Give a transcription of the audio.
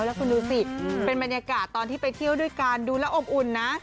แล้วคุณดูสิเป็นบรรยากาศตอนที่ไปเที่ยวด้วยกันดูแล้วอบอุ่นนะ